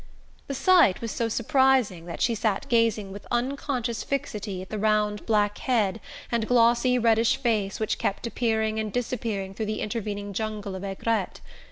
The sight was so surprising that she sat gazing with unconscious fixity at the round black head and glossy reddish face which kept appearing and disappearing through the intervening jungle of aigrettes.